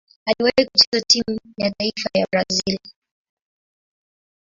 Aliwahi kucheza timu ya taifa ya Brazil.